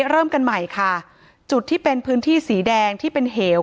เริ่มกันใหม่ค่ะจุดที่เป็นพื้นที่สีแดงที่เป็นเหว